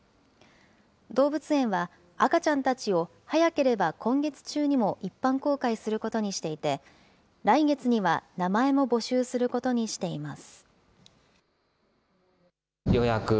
動物園は、赤ちゃんたちを早ければ今月中にも一般公開することにしていて、来月には名前も募集することにしています。